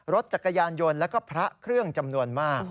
รถจักรยานยนต์แล้วก็พระเครื่องจำนวนมาก